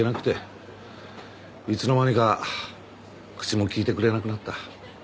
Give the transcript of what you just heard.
いつの間にか口も利いてくれなくなった。